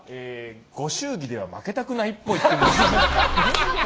ご祝儀では負けたくないっぽい。